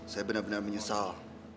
saya benar benar menyesal